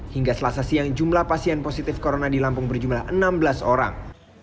hingga selasa siang jumlah pasien positif corona di lampung berjumlah enam belas orang